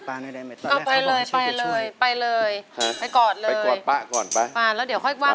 เพลงนี้อยู่ในอาราบัมชุดแรกของคุณแจ็คเลยนะครับ